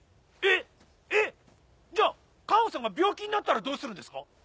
えっえっえっじゃあ関羽さんが病気になったらどうするんですか？